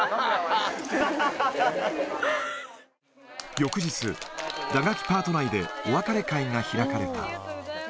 翌日、打楽器パート内でお別れ会が開かれた。